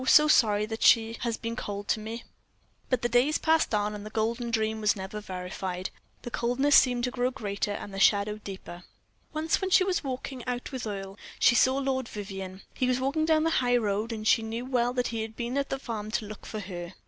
so sorry, that she has been cold to me." But the days passed on, and that golden dream was never verified; the coldness seemed to grow greater, and the shadow deeper. Once, when she was walking out with Earle, she saw Lord Vivianne. He was walking down the high road, and she knew well that he had been at the farm to look for her.